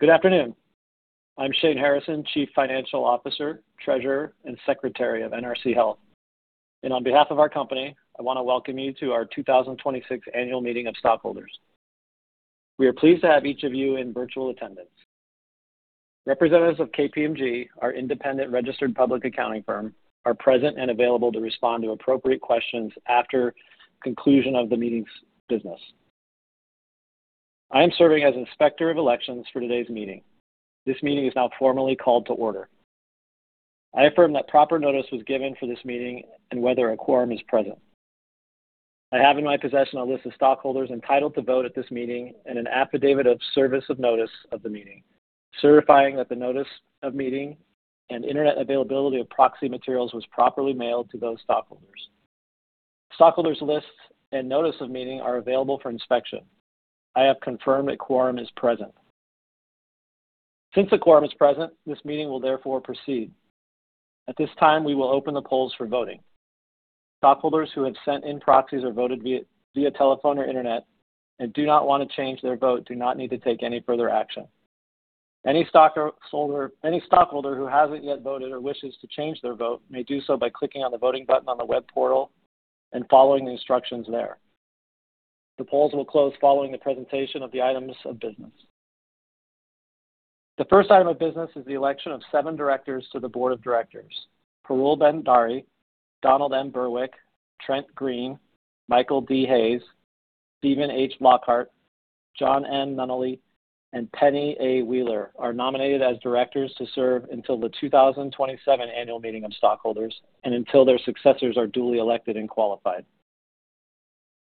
Good afternoon. I'm Shane Harrison, Chief Financial Officer, Treasurer, and Secretary of NRC Health. On behalf of our company, I want to welcome you to our 2026 Annual Meeting of Stockholders. We are pleased to have each of you in virtual attendance. Representatives of KPMG, our independent registered public accounting firm, are present and available to respond to appropriate questions after conclusion of the meeting's business. I am serving as Inspector of Elections for today's meeting. This meeting is now formally called to order. I affirm that proper notice was given for this meeting and whether a quorum is present. I have in my possession a list of stockholders entitled to vote at this meeting and an affidavit of service of notice of the meeting, certifying that the notice of meeting and internet availability of proxy materials was properly mailed to those stockholders. Stockholders lists and notice of meeting are available for inspection. I have confirmed that quorum is present. Since a quorum is present, this meeting will therefore proceed. At this time, we will open the polls for voting. Stockholders who have sent in proxies or voted via telephone or internet and do not want to change their vote do not need to take any further action. Any stockholder who hasn't yet voted or wishes to change their vote may do so by clicking on the voting button on the web portal and following the instructions there. The polls will close following the presentation of the items of business. The first item of business is the election of seven directors to the board of directors. Parul Bhandari, Donald M. Berwick, Trent Green, Michael D. Hays, Stephen H. Lockhart, John N. Nunnelly, and Penny A. Wheeler are nominated as directors to serve until the 2027 annual meeting of stockholders and until their successors are duly elected and qualified.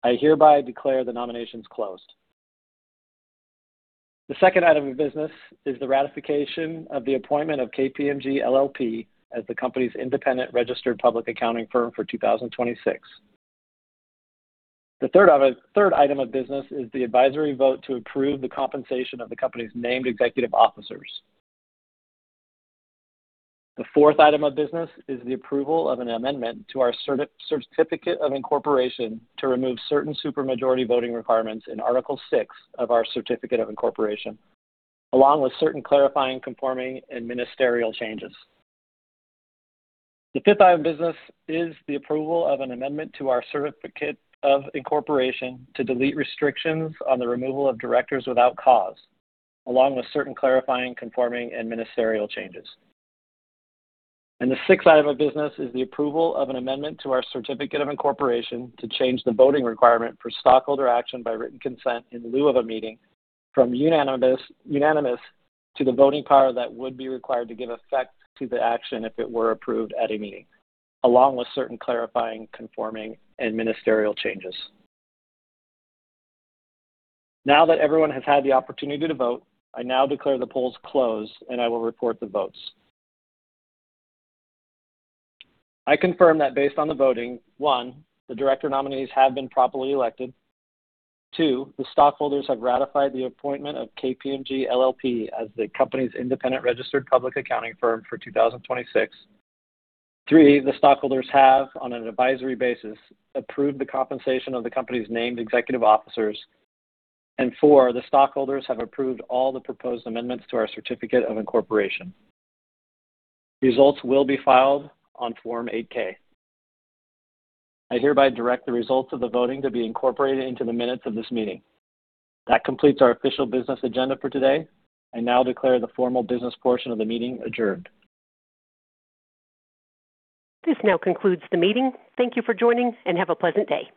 I hereby declare the nominations closed. The second item of business is the ratification of the appointment of KPMG LLP as the company's independent registered public accounting firm for 2026. The third item of business is the advisory vote to approve the compensation of the company's named executive officers. The fourth item of business is the approval of an amendment to our Certificate of Incorporation to remove certain super majority voting requirements in Article VI of our Certificate of Incorporation, along with certain clarifying, conforming, and ministerial changes. The fifth item of business is the approval of an amendment to our Certificate of Incorporation to delete restrictions on the removal of directors without cause, along with certain clarifying, conforming, and ministerial changes. The sixth item of business is the approval of an amendment to our Certificate of Incorporation to change the voting requirement for stockholder action by written consent in lieu of a meeting from unanimous to the voting power that would be required to give effect to the action if it were approved at a meeting, along with certain clarifying, conforming, and ministerial changes. Now that everyone has had the opportunity to vote, I now declare the polls closed, and I will report the votes. I confirm that based on the voting, one, the director nominees have been properly elected. Two, the stockholders have ratified the appointment of KPMG LLP as the company's independent registered public accounting firm for 2026. Three, the stockholders have, on an advisory basis, approved the compensation of the company's named executive officers. Four, the stockholders have approved all the proposed amendments to our Certificate of Incorporation. Results will be filed on Form 8-K. I hereby direct the results of the voting to be incorporated into the minutes of this meeting. That completes our official business agenda for today. I now declare the formal business portion of the meeting adjourned. This now concludes the meeting. Thank you for joining, and have a pleasant day.